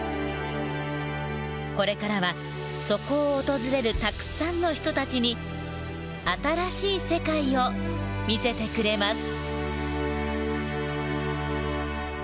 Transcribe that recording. これからはそこを訪れるたくさんの人たちに新しい世界を見せてくれます。